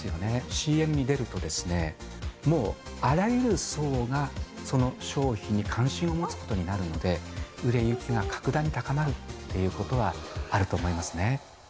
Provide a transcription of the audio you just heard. ＣＭに出ると、もうあらゆる層が、その商品に関心を持つことになるので、売れ行きが格段に高まるということはあると思いますね。